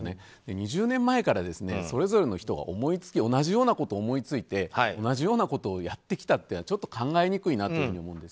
２０年前から、それぞれの人が同じようなことを思いついて同じようなことをやってきたのはちょっと考えにくいなと思うんです。